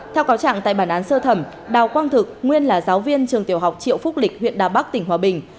theo cáo trạng tại bản án sơ thẩm đào quang thực nguyên là giáo viên trường tiểu học triệu phúc lịch huyện đà bắc tỉnh hòa bình